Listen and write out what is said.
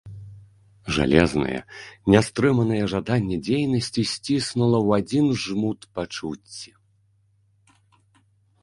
Жалезнае, нястрыманае жаданне дзейнасці сціснула ў адзін жмут пачуцці.